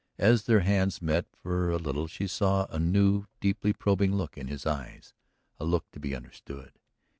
As their hands met for a little she saw a new, deeply probing look in his eyes, a look to be understood.